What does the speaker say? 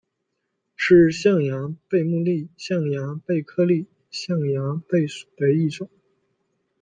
是象牙贝目丽象牙贝科丽象牙贝属的一种。